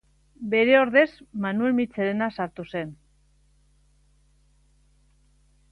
Bere ordez Manuel Mitxelena sartu zen.